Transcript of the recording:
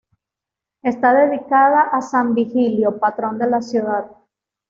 Está dedicada a San Vigilio, patrón de la ciudad.